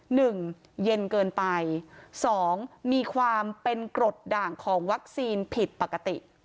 หนึ่งเย็นเกินไปสองมีความเป็นกรดด่างของวัคซีนผิดปกติ